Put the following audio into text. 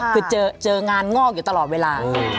คือเจองานงอกอยู่ตลอดเวลา